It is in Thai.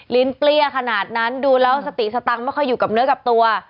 เปรี้ยขนาดนั้นดูแล้วสติสตังค์ไม่ค่อยอยู่กับเนื้อกับตัว